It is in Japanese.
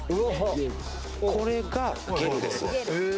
これがゲルです。